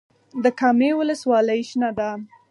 د کامې ولسوالۍ شنه ده